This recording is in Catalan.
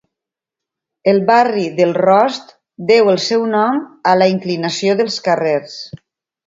El barri del Rost deu el seu nom a la inclinació dels carrers.